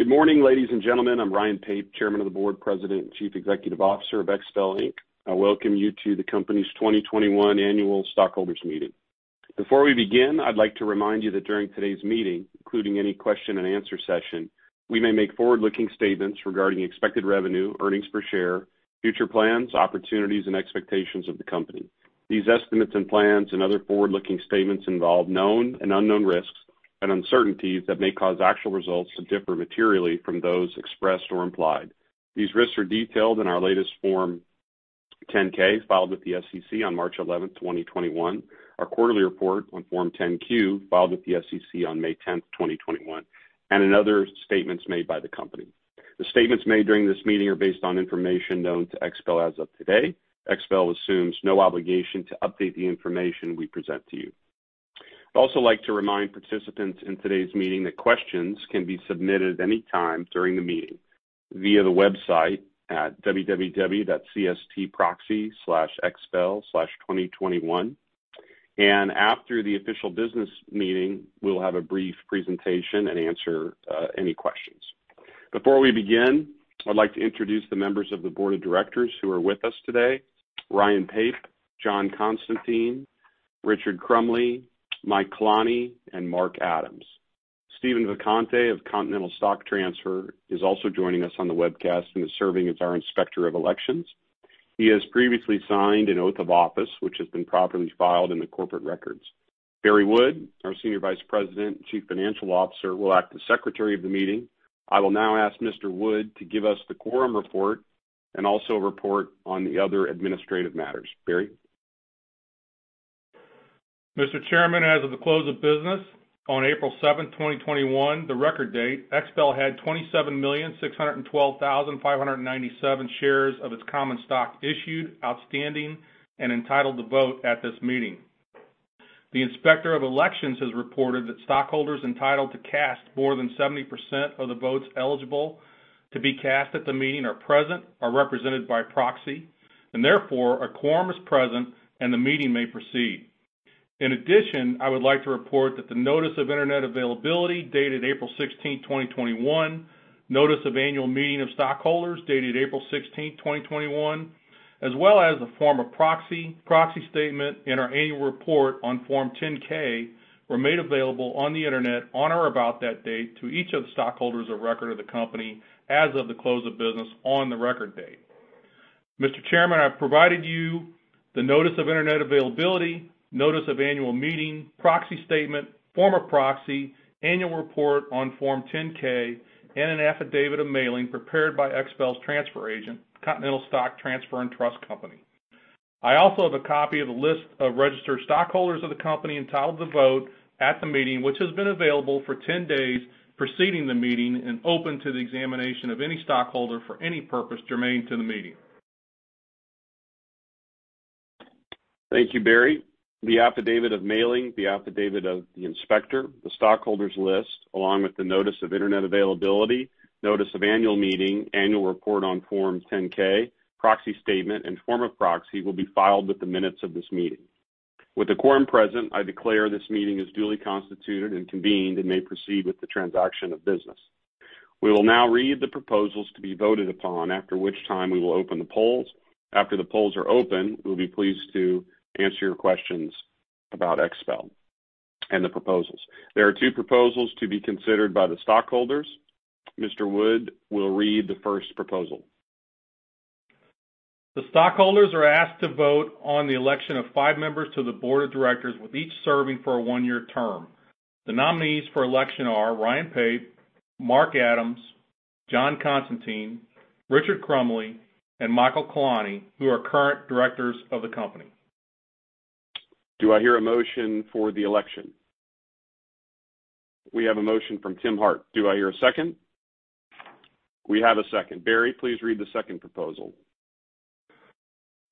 Good morning, ladies and gentlemen. I'm Ryan Pape, Chairman of the Board, President and Chief Executive Officer of XPEL, Inc. I welcome you to the company's 2021 annual stockholders meeting. Before we begin, I'd like to remind you that during today's meeting, including any question and answer session, we may make forward-looking statements regarding expected revenue, earnings per share, future plans, opportunities, and expectations of the company. These estimates and plans and other forward-looking statements involve known and unknown risks and uncertainties that may cause actual results to differ materially from those expressed or implied. These risks are detailed in our latest Form 10-K, filed with the SEC on March 11, 2021, our quarterly report on Form 10-Q, filed with the SEC on May 10th, 2021, and in other statements made by the company. The statements made during this meeting are based on information known to XPEL as of today. XPEL assumes no obligation to update the information we present to you. I'd also like to remind participants in today's meeting that questions can be submitted at any time during the meeting via the website at www.cstproxy/xpel/2021. After the official business meeting, we'll have a brief presentation and answer any questions. Before we begin, I'd like to introduce the members of the board of directors who are with us today, Ryan Pape, John Constantine, Richard Crumly, Mike Klonne, and Mark Adams. Steven Vacante of Continental Stock Transfer is also joining us on the webcast and is serving as our Inspector of Elections. He has previously signed an oath of office, which has been properly filed in the corporate records. Barry Wood, our Senior Vice President and Chief Financial Officer, will act as Secretary of the meeting. I will now ask Mr. Wood to give us the quorum report and also report on the other administrative matters. Barry? Mr. Chairman, as of the close of business on April 7th, 2021, the record date, XPEL had 27,612,597 shares of its common stock issued, outstanding, and entitled to vote at this meeting. The Inspector of Elections has reported that stockholders entitled to cast more than 70% of the votes eligible to be cast at the meeting are present or represented by proxy, and therefore, a quorum is present, and the meeting may proceed. In addition, I would like to report that the Notice of Internet Availability, dated April 16th, 2021, Notice of Annual Meeting of Stockholders, dated April 16th, 2021, as well as the Form of Proxy Statement, and our Annual Report on Form 10-K were made available on the internet on or about that date to each of the stockholders of record of the company as of the close of business on the record date. Mr. Chairman, I have provided you the Notice of Internet Availability, Notice of Annual Meeting, Proxy Statement, Form of Proxy, Annual Report on Form 10-K, and an Affidavit of Mailing prepared by XPEL's transfer agent, Continental Stock Transfer & Trust Company. I also have a copy of the list of registered stockholders of the company entitled to vote at the meeting, which has been available for 10 days preceding the meeting and open to the examination of any stockholder for any purpose germane to the meeting. Thank you, Barry. The Affidavit of Mailing, the Affidavit of the Inspector, the stockholders list, along with the Notice of Internet Availability, Notice of Annual Meeting, Annual Report on Form 10-K, Proxy Statement, and Form of Proxy will be filed with the minutes of this meeting. With the quorum present, I declare this meeting is duly constituted and convened and may proceed with the transaction of business. We will now read the proposals to be voted upon, after which time we will open the polls. After the polls are open, we'll be pleased to answer your questions about XPEL and the proposals. There are two proposals to be considered by the stockholders. Mr. Wood will read the first proposal. The stockholders are asked to vote on the election of five members to the board of directors, with each serving for a one-year term. The nominees for election are Ryan Pape, Mark Adams, John Constantine, Richard Crumly, and Mike Klonne, who are current directors of the company. Do I hear a motion for the election? We have a motion from Tim Hartt. Do I hear a second? We have a second. Barry, please read the second proposal.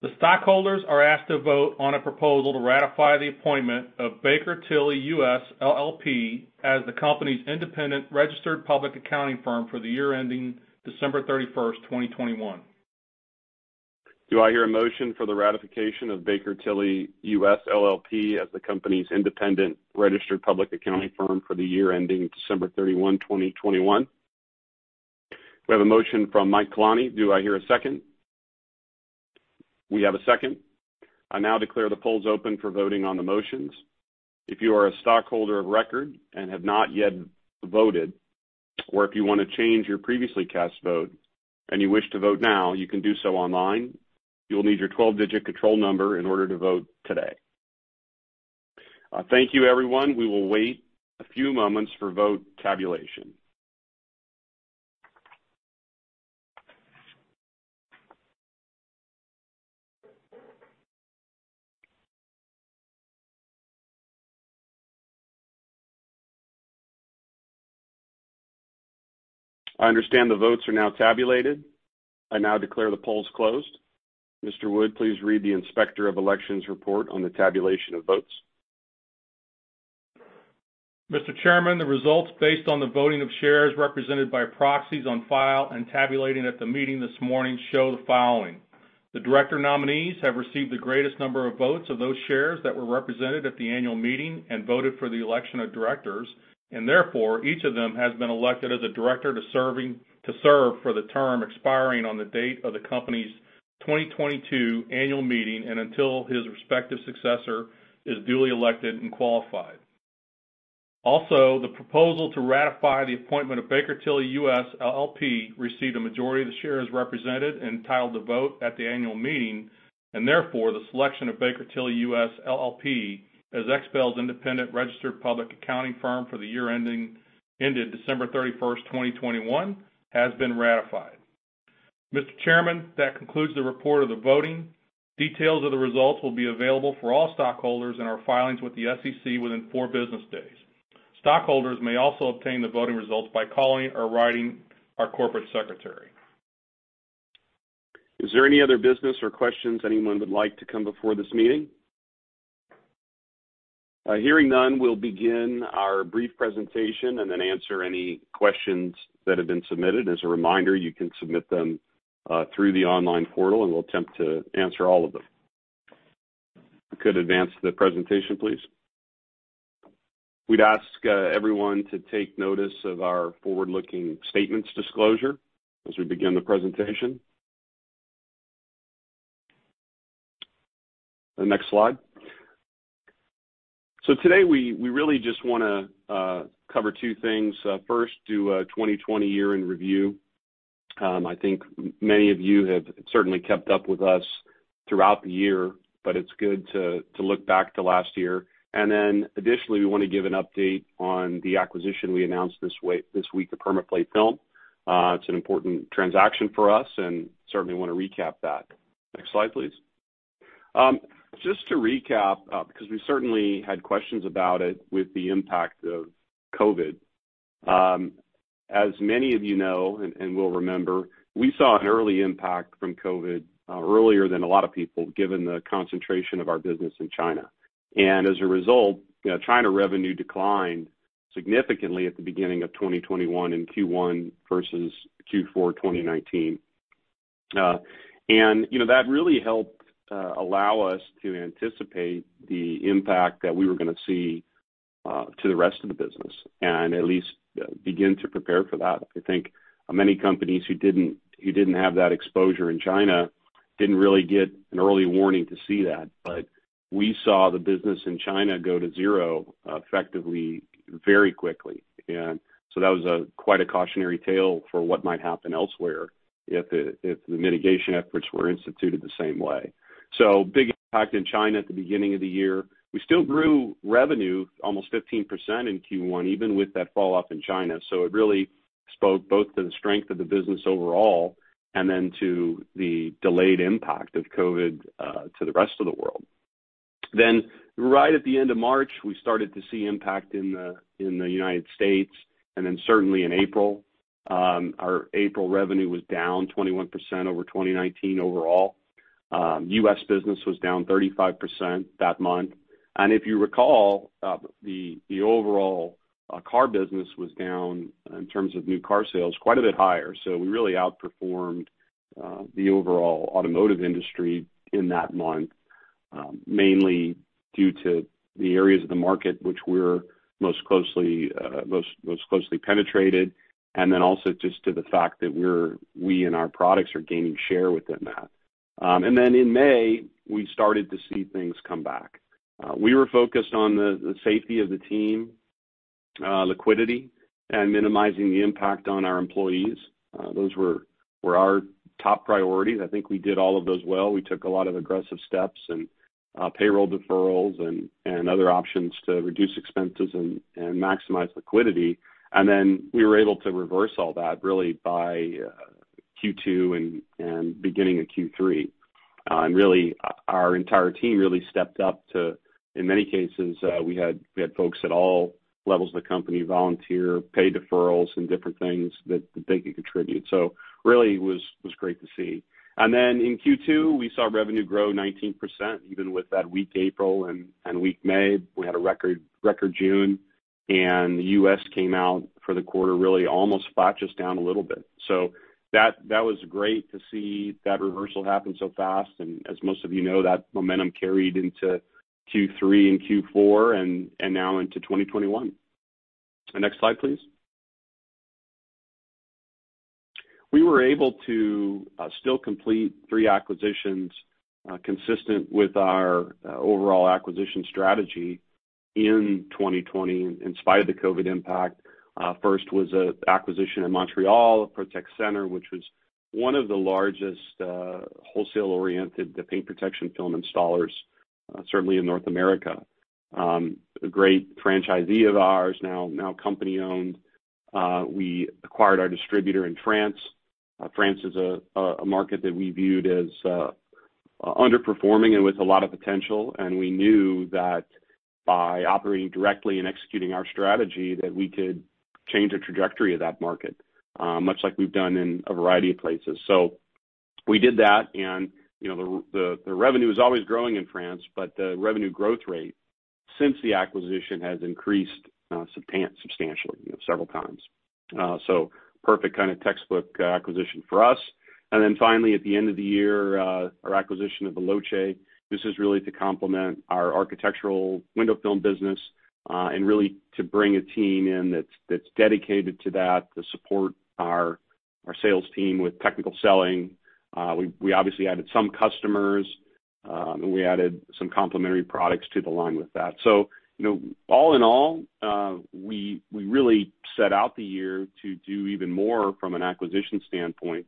The stockholders are asked to vote on a proposal to ratify the appointment of Baker Tilly US, LLP as the company's independent registered public accounting firm for the year ending December 31st, 2021. Do I hear a motion for the ratification of Baker Tilly US, LLP as the company's independent registered public accounting firm for the year ending December 31, 2021? We have a motion from Mike Klonne. Do I hear a second? We have a second. I now declare the polls open for voting on the motions. If you are a stockholder of record and have not yet voted, or if you want to change your previously cast vote and you wish to vote now, you can do so online. You'll need your 12-digit control number in order to vote today. Thank you, everyone. We will wait a few moments for vote tabulation. I understand the votes are now tabulated. I now declare the polls closed. Mr. Wood, please read the Inspector of Elections report on the tabulation of votes. Mr. Chairman, the results based on the voting of shares represented by proxies on file and tabulating at the meeting this morning show the following. The director nominees have received the greatest number of votes of those shares that were represented at the annual meeting and voted for the election of directors, and therefore, each of them has been elected as a director to serve for the term expiring on the date of the company's 2022 annual meeting and until his respective successor is duly elected and qualified. Also, the proposal to ratify the appointment of Baker Tilly US, LLP received a majority of the shares represented entitled to vote at the annual meeting, and therefore the selection of Baker Tilly US, LLP as XPEL's independent registered public accounting firm for the year ended December 31st, 2021, has been ratified. Mr. Chairman, that concludes the report of the voting. Details of the results will be available for all stockholders in our filings with the SEC within four business days. Stockholders may also obtain the voting results by calling or writing our corporate secretary. Is there any other business or questions anyone would like to come before this meeting? Hearing none, we'll begin our brief presentation and then answer any questions that have been submitted. As a reminder, you can submit them through the online portal, and we'll attempt to answer all of them. If you could advance the presentation, please. We'd ask everyone to take notice of our forward-looking statements disclosure as we begin the presentation. The next slide. Today, we really just want to cover two things. First, do a 2020 year in review. I think many of you have certainly kept up with us throughout the year, but it's good to look back to last year. Additionally, we want to give an update on the acquisition we announced this week of PermaPlate Film. It's an important transaction for us and certainly want to recap that. Next slide, please. Just to recap, because we certainly had questions about it with the impact of COVID. As many of you know and will remember, we saw an early impact from COVID earlier than a lot of people, given the concentration of our business in China. As a result, China revenue declined significantly at the beginning of 2021 in Q1 versus Q4 2019. That really helped allow us to anticipate the impact that we were going to see to the rest of the business and at least begin to prepare for that. I think many companies who didn't have that exposure in China didn't really get an early warning to see that. We saw the business in China go to zero effectively very quickly. That was quite a cautionary tale for what might happen elsewhere if the mitigation efforts were instituted the same way. Big impact in China at the beginning of the year. We still grew revenue almost 15% in Q1, even with that falloff in China. It really spoke both to the strength of the business overall and then to the delayed impact of COVID to the rest of the world. Right at the end of March, we started to see impact in the United States, and then certainly in April. Our April revenue was down 21% over 2019 overall. U.S. business was down 35% that month. If you recall, the overall car business was down in terms of new car sales, quite a bit higher. We really outperformed the overall automotive industry in that month, mainly due to the areas of the market which we're most closely penetrated, and then also just to the fact that we and our products are gaining share within that. In May, we started to see things come back. We were focused on the safety of the team, liquidity, and minimizing the impact on our employees. Those were our top priorities. I think we did all of those well. We took a lot of aggressive steps and payroll deferrals and other options to reduce expenses and maximize liquidity. We were able to reverse all that really by Q2 and beginning of Q3. Really, our entire team really stepped up to, in many cases, we had folks at all levels of the company volunteer pay deferrals and different things that they could contribute. Really, it was great to see. In Q2, we saw revenue grow 19%, even with that weak April and weak May. We had a record June, the U.S. came out for the quarter really almost flat, just down a little bit. That was great to see that reversal happen so fast. As most of you know, that momentum carried into Q3 and Q4 and now into 2021. Next slide, please. We were able to still complete three acquisitions consistent with our overall acquisition strategy in 2020 in spite of COVID impact. First was an acquisition in Montreal, Protex Centre, which was one of the largest wholesale-oriented paint protection film installers, certainly in North America. A great franchisee of ours, now company owned. We acquired our distributor in France. France is a market that we viewed as underperforming and with a lot of potential. We knew that by operating directly and executing our strategy, that we could change the trajectory of that market, much like we've done in a variety of places. We did that, the revenue is always growing in France, the revenue growth rate since the acquisition has increased substantially, several times. Perfect kind of textbook acquisition for us. Finally, at the end of the year, our acquisition of Veloce. This is really to complement our architectural window film business, and really to bring a team in that's dedicated to that, to support our sales team with technical selling. We obviously added some customers, we added some complementary products to the line with that. All in all, we really set out the year to do even more from an acquisition standpoint.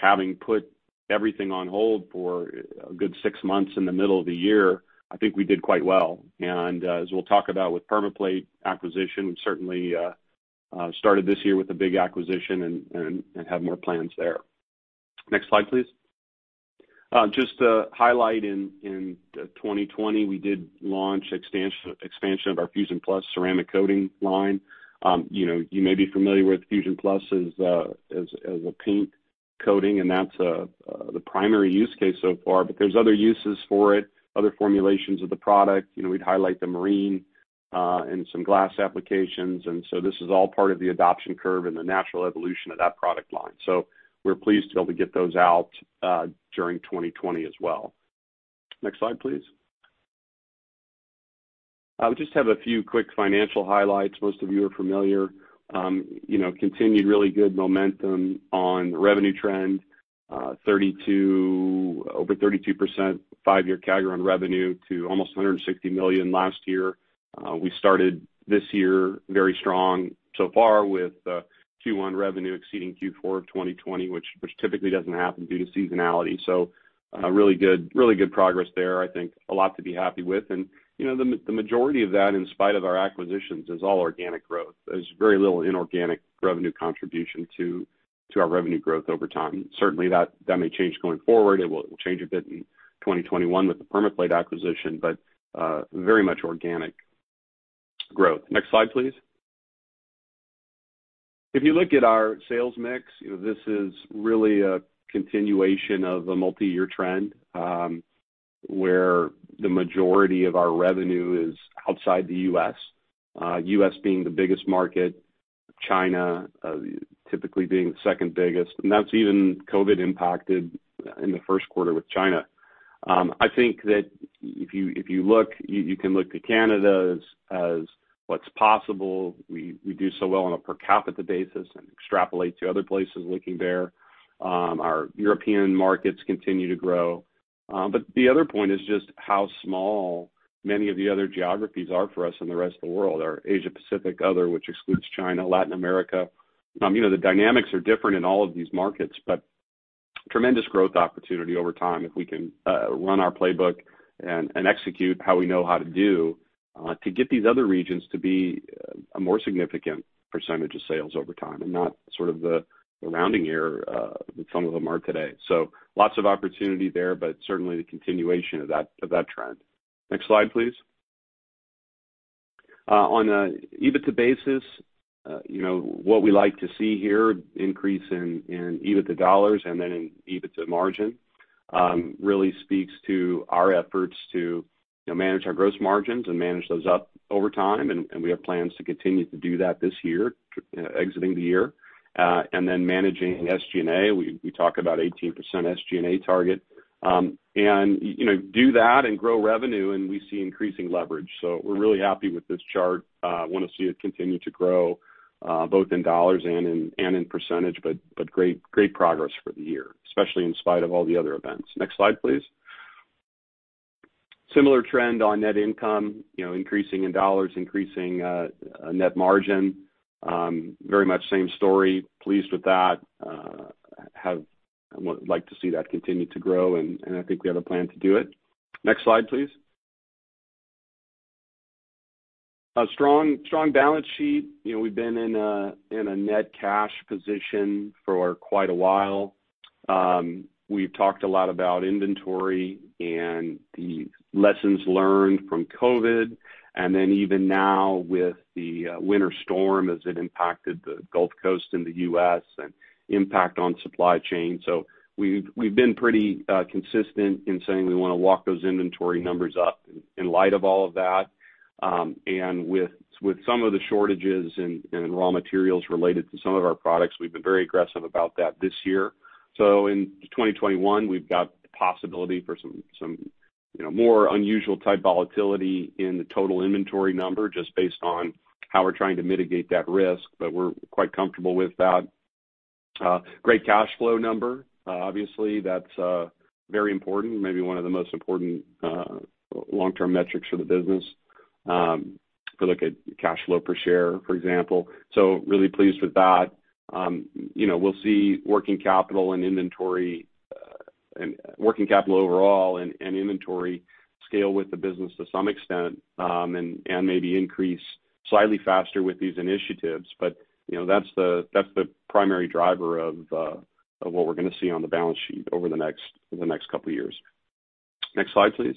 Having put everything on hold for a good six months in the middle of the year, I think we did quite well. As we'll talk about with PermaPlate acquisition, we certainly started this year with a big acquisition and have more plans there. Next slide, please. Just to highlight, in 2020, we did launch expansion of our FUSION PLUS ceramic coating line. You may be familiar with FUSION PLUS as a paint coating, and that's the primary use case so far, but there's other uses for it, other formulations of the product. We'd highlight the marine and some glass applications, this is all part of the adoption curve and the natural evolution of that product line. We're pleased to be able to get those out during 2020 as well. Next slide, please. I just have a few quick financial highlights. Most of you are familiar. Continued really good momentum on revenue trend, over 32% five-year CAGR on revenue to almost $160 million last year. We started this year very strong so far with Q1 revenue exceeding Q4 of 2020, which typically doesn't happen due to seasonality. Really good progress there. I think a lot to be happy with. The majority of that, in spite of our acquisitions, is all organic growth. There's very little inorganic revenue contribution to our revenue growth over time. Certainly, that may change going forward. It will change a bit in 2021 with the PermaPlate acquisition, but very much organic growth. Next slide, please. If you look at our sales mix, this is really a continuation of a multi-year trend, where the majority of our revenue is outside the U.S. U.S. being the biggest market, China typically being the second biggest, and that's even COVID impacted in the first quarter with China. I think that if you look, you can look to Canada as what's possible. We do so well on a per capita basis and extrapolate to other places looking there. Our European markets continue to grow. The other point is just how small many of the other geographies are for us in the rest of the world. Our Asia Pacific Other, which excludes China, Latin America. The dynamics are different in all of these markets, but tremendous growth opportunity over time if we can run our playbook and execute how we know how to do to get these other regions to be a more significant percentage of sales over time and not sort of the rounding error that some of them are today. Lots of opportunity there, but certainly the continuation of that trend. Next slide, please. On an EBITDA basis, what we like to see here, increase in EBITDA dollars and then in EBITDA margin, really speaks to our efforts to manage our gross margins and manage those up over time, and we have plans to continue to do that this year, exiting the year. Then managing SG&A, we talk about 18% SG&A target. Do that and grow revenue, and we see increasing leverage. We're really happy with this chart. Want to see it continue to grow, both in dollars and in percentage, but great progress for the year, especially in spite of all the other events. Next slide, please. Similar trend on net income, increasing in dollars, increasing net margin. Very much same story. Pleased with that. I would like to see that continue to grow, and I think we have a plan to do it. Next slide, please. A strong balance sheet. We've been in a net cash position for quite a while. We've talked a lot about inventory and the lessons learned from COVID, and then even now with the winter storm as it impacted the Gulf Coast in the U.S. and impact on supply chain. We've been pretty consistent in saying we want to walk those inventory numbers up in light of all of that. With some of the shortages in raw materials related to some of our products, we've been very aggressive about that this year. In 2021, we've got the possibility for some more unusual type volatility in the total inventory number, just based on how we're trying to mitigate that risk. We're quite comfortable with that. Great cash flow number. Obviously, that's very important. Maybe one of the most important long-term metrics for the business. If you look at cash flow per share, for example. Really pleased with that. We'll see working capital overall and inventory scale with the business to some extent, and maybe increase slightly faster with these initiatives. That's the primary driver of what we're going to see on the balance sheet over the next couple of years. Next slide, please.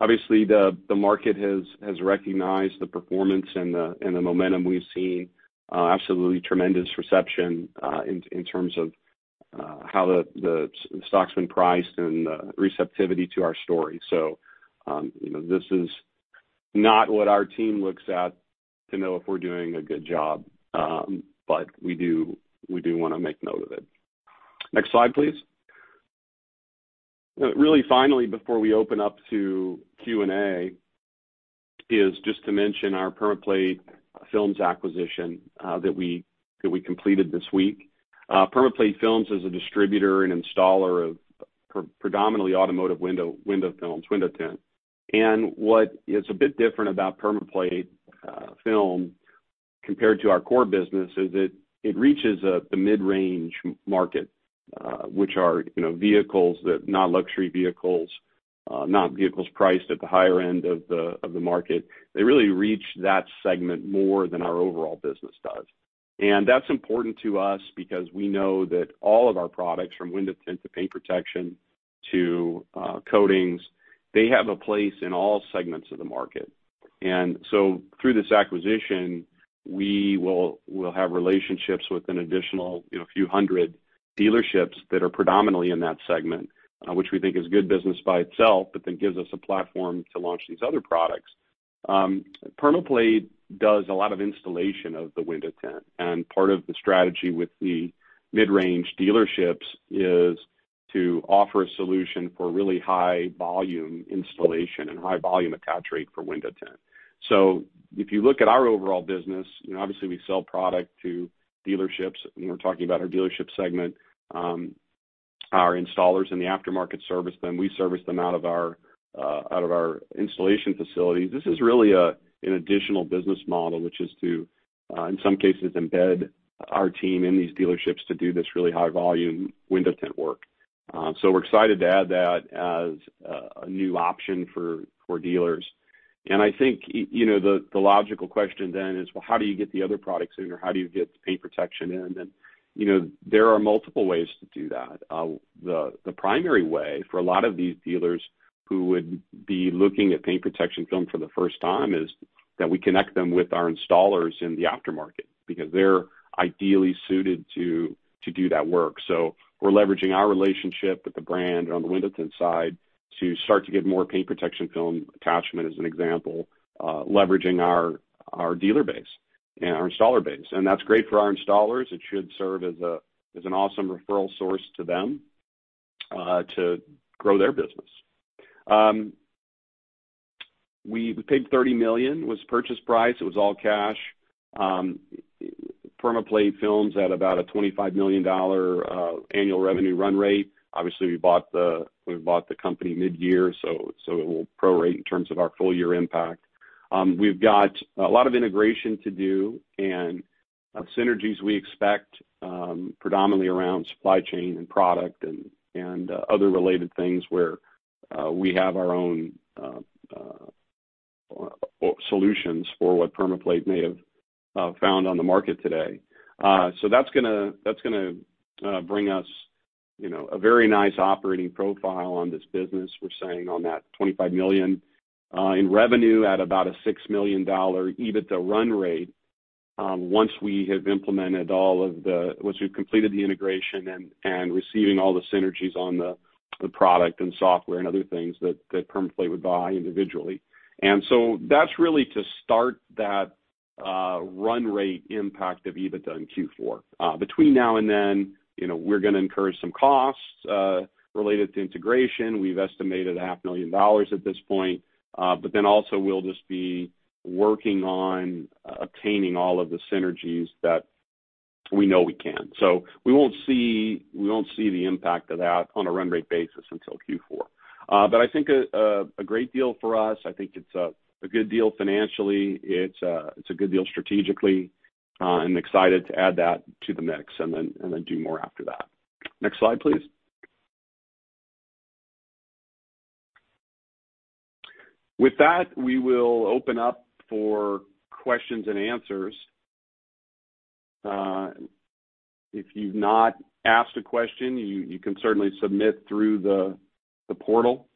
Obviously, the market has recognized the performance and the momentum we've seen. Absolutely tremendous reception in terms of how the stock's been priced and the receptivity to our story. This is not what our team looks at to know if we're doing a good job, but we do want to make note of it. Next slide, please. Really finally, before we open up to Q&A, is just to mention our PermaPlate Film acquisition that we completed this week. PermaPlate Film is a distributor and installer of predominantly automotive window films, window tint. What is a bit different about PermaPlate Film compared to our core business is that it reaches the mid-range market, which are vehicles that not luxury vehicles, not vehicles priced at the higher end of the market. They really reach that segment more than our overall business does. That's important to us because we know that all of our products, from window tint to paint protection to coatings, they have a place in all segments of the market. Through this acquisition, we'll have relationships with an additional few hundred dealerships that are predominantly in that segment, which we think is good business by itself, but then gives us a platform to launch these other products. PermaPlate does a lot of installation of the window tint, and part of the strategy with the mid-range dealerships is to offer a solution for really high volume installation and high volume attach rate for window tint. If you look at our overall business, obviously we sell product to dealerships when we're talking about our dealership segment. Our installers in the aftermarket service, then we service them out of our installation facility. This is really an additional business model, which is to, in some cases, embed our team in these dealerships to do this really high volume window tint work. We're excited to add that as a new option for dealers. I think the logical question then is, well, how do you get the other products in? How do you get the paint protection in? There are multiple ways to do that. The primary way for a lot of these dealers who would be looking at paint protection film for the first time is that we connect them with our installers in the aftermarket because they're ideally suited to do that work. We're leveraging our relationship with the brand on the window tint side to start to get more paint protection film attachment as an example, leveraging our dealer base and our installer base. That's great for our installers. It should serve as an awesome referral source to them to grow their business. We paid $30 million. It was purchase price. It was all cash. PermaPlate Films at about a $25 million annual revenue run rate. Obviously, we bought the company mid-year, so it will prorate in terms of our full year impact. We've got a lot of integration to do and synergies we expect predominantly around supply chain and product and other related things where we have our own solutions for what PermaPlate may have found on the market today. That's going to bring us a very nice operating profile on this business. We're saying on that $25 million in revenue at about a $6 million EBITDA run rate once we've completed the integration and receiving all the synergies on the product and software and other things that PermaPlate would buy individually. That's really to start that run rate impact of EBITDA in Q4. Between now and then, we're going to incur some costs related to integration. We've estimated a half million dollars at this point, we'll just be working on obtaining all of the synergies that we know we can. We won't see the impact of that on a run rate basis until Q4. I think a great deal for us. I think it's a good deal financially. It's a good deal strategically, and excited to add that to the mix and then do more after that. Next slide, please. With that, we will open up for questions and answers. If you've not asked a question, you can certainly submit through the portal.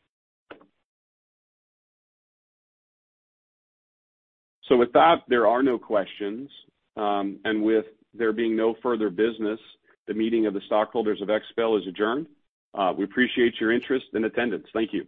With that, there are no questions, and with there being no further business, the meeting of the stockholders of XPEL is adjourned. We appreciate your interest and attendance. Thank you.